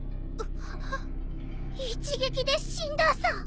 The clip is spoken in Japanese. あ一撃で死んださ。